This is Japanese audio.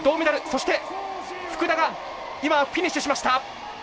そして福田がフィニッシュしました。